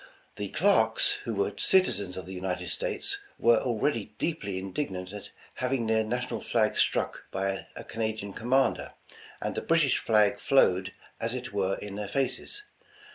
The clerks, who were citizens of the United States, were already deeply indignant at "having their na tional flag struck by a Canadian commander, and the British flag flowed, as it were, in their faces."